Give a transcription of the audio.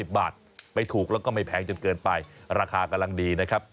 บาทไม่ถูกแล้วก็ไม่แพงจนเกินไปราคากำลังดีนะครับ